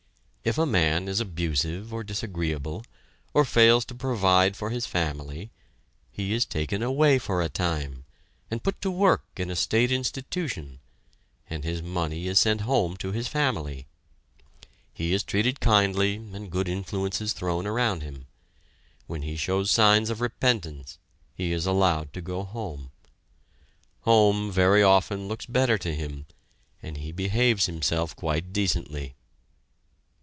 If a man is abusive or disagreeable, or fails to provide for his family, he is taken away for a time, and put to work in a state institution, and his money is sent home to his family. He is treated kindly, and good influences thrown around him. When he shows signs of repentance he is allowed to go home. Home, very often, looks better to him, and he behaves himself quite decently.